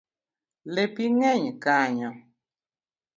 Lepi ng’eny kanyo